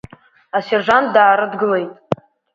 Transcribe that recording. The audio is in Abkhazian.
Асержант даарыдгылеит.